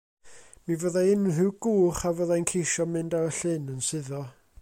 Mi fyddai unrhyw gwch a fyddai'n ceisio mynd ar y llyn yn suddo.